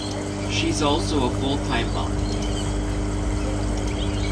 She is also a full time mum.